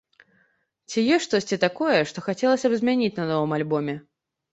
Ці ёсць штосьці такое, што хацелася б змяніць на новым альбоме?